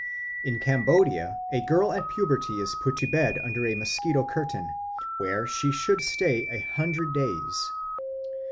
In Cambodia a girl at puberty is put to bed under a mosquito curtain, where she should stay a hundred days.